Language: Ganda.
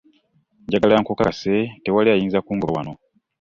Njagala nkukakase tewali ayinza kungoba wano.